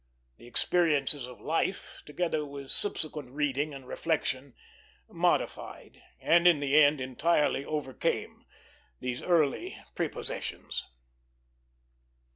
The experiences of life, together with subsequent reading and reflection, modified and in the end entirely overcame these early prepossessions.